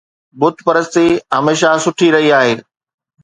بت پرستي هميشه سٺي رهي آهي